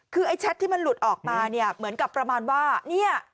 คือไอ้แชทที่มันหลุดออกมาเนี่ยเหมือนกับประมาณว่าเนี่ย